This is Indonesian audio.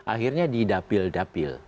akhirnya di dapil dapil